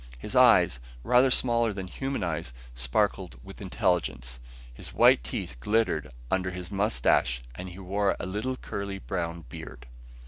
His eyes, rather smaller than human eyes, sparkled with intelligence, his white teeth glittered under his moustache, and he wore a little curly brown beard.